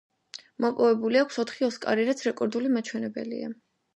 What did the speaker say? მოპოვებული აქვს ოთხი ოსკარი, რაც რეკორდული მაჩვენებელია.